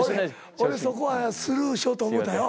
俺そこはスルーしようと思たよ。